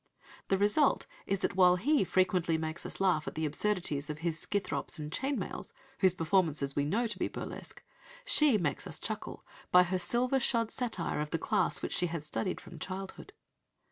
The result is that while he frequently makes us laugh at the absurdities of his Scythrops and Chainmails, whose performances we know to be burlesque, she makes us chuckle by her silver shod satire of the class which she had studied from childhood.